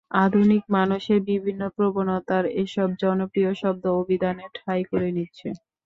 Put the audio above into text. আধুনিক মানুষের বিভিন্ন প্রবণতার এসব জনপ্রিয় শব্দ অভিধানে ঠাঁই করে নিচ্ছে।